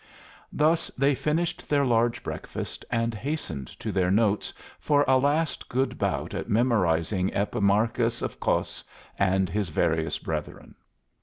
Thus they finished their large breakfast, and hastened to their notes for a last good bout at memorizing Epicharmos of Kos and his various brethren.